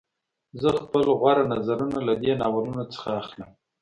زه خپل غوره نظرونه له دې ناولونو څخه اخلم